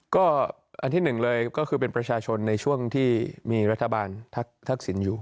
ก็อันที่หนึ่งเลยก็คือเป็นประชาชนในช่วงที่มีรัฐบาลทักษิณอยู่